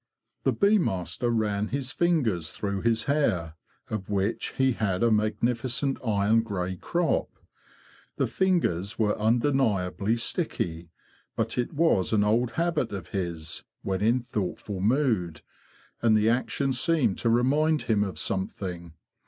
The bee master ran his fingers through his hair, of which he had a magnificent iron grey crop. The fingers were undeniably sticky; but it was an old habit of his, when in thoughtful mood, and the action seemed to remind him of something.